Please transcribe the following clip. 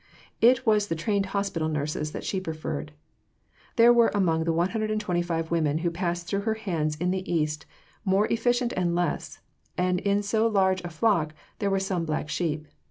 It was the trained hospital nurses that she preferred. There were among the 125 women who passed through her hands in the East more efficient and less, and in so large a flock there were some black sheep.